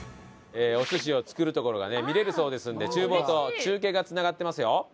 お寿司を作るところがね見れるそうですので厨房と中継が繋がってますよ。